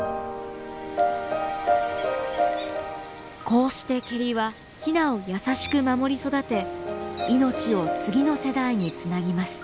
こうしてケリはヒナを優しく守り育て命を次の世代につなぎます。